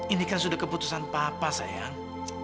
ini kan sudah keputusan papa sayang